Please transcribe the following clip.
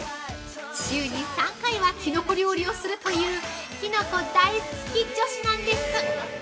週に３回はきのこ料理をするというきのこ大好き女子なんです。